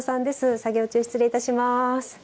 作業中失礼します。